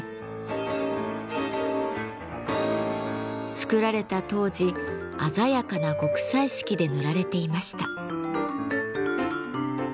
作られた当時鮮やかな極彩色で塗られていました。